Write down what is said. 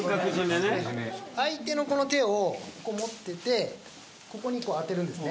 相手の手を持ってここに当てるんです。